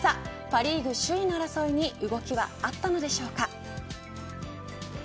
パ・リーグ首位の争いに動きはあったのでしょうか。